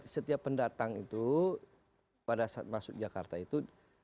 setiap pendatang itu pada saat masuk jakarta itu